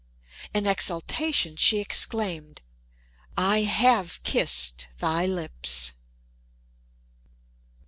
In exultation she exclaimed, "I have kissed thy lips!"